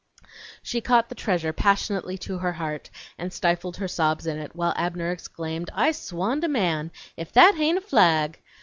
She caught the treasure passionately to her heart and stifled her sobs in it, while Abner exclaimed: "I swan to man, if that hain't a flag!